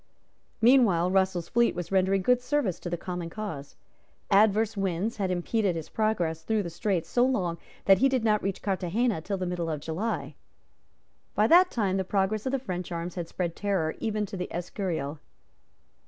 Meanwhile Russell's fleet was rendering good service to the common cause. Adverse winds had impeded his progress through the Straits so long that he did not reach Carthagena till the middle of July. By that time the progress of the French arms had spread terror even to the Escurial.